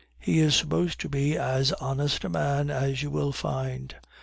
He is supposed to be as honest a man as you will find.